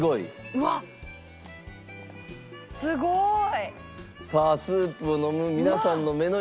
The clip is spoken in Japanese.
うわっすごい！